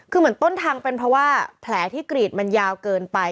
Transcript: คือเหมือนต้นทางเป็นเพราะว่าแผลที่กรีดมันยาวเกินไป